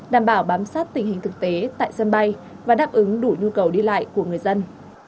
đảm bảo bám sát tình hình thực tế tại sân bay và đáp ứng đủ nhu cầu đi lại của người dân